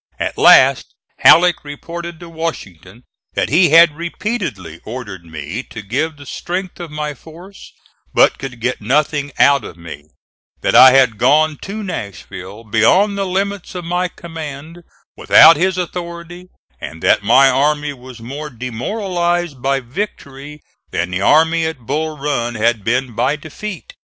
At last Halleck reported to Washington that he had repeatedly ordered me to give the strength of my force, but could get nothing out of me; that I had gone to Nashville, beyond the limits of my command, without his authority, and that my army was more demoralized by victory than the army at Bull Run had been by defeat.